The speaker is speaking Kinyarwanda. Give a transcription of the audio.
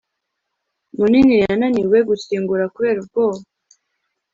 munini yananiwe gukingura kubera ubwoba